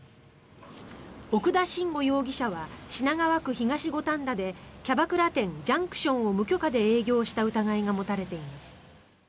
奥田伸吾容疑者は品川区東五反田でキャバクラ店、ジャンクションを無許可で営業した疑いが持たれています。